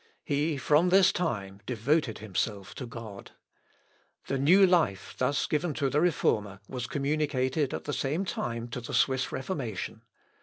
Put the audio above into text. He from this time devoted himself to God. The new life thus given to the Reformer was communicated at the same time to the Swiss Reformation.